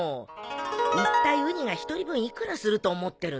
いったいウニが１人分幾らすると思ってるの？